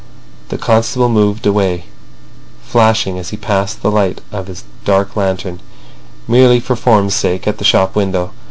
The constable moved away, flashing as he passed the light of his dark lantern, merely for form's sake, at the shop window.